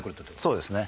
そうですね。